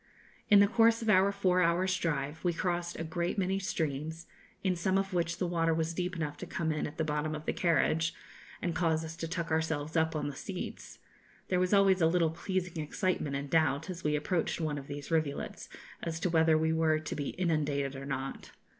In the course of our four hours' drive, we crossed a great many streams, in some of which the water was deep enough to come in at the bottom of the carriage, and cause us to tuck ourselves up on the seats; there was always a little pleasing excitement and doubt, as we approached one of these rivulets, as to whether we were to be inundated or not.